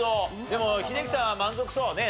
でも英樹さんは満足そうね。